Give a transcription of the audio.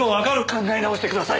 考え直してください！